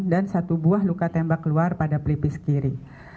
dan satu buah luka tembak keluar pada pelipis kiri